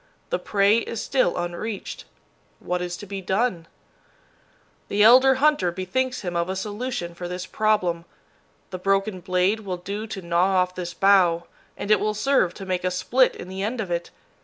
The prey is still unreached. What is to be done? The elder hunter bethinks him of a solution for this problem. The broken blade will do to gnaw off this bough, and it will serve to make a split in the end of it.